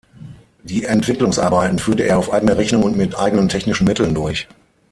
Die Entwicklungsarbeiten führte er auf eigene Rechnung und mit eigenen technischen Mitteln durch.